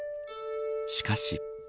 しかし。